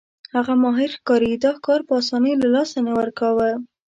هغه ماهر ښکاري دا ښکار په اسانۍ له لاسه نه ورکاوه.